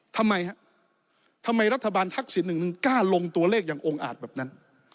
ทำไมฮะทำไมรัฐบาลทักษิณหนึ่งถึงกล้าลงตัวเลขอย่างองค์อาจแบบนั้น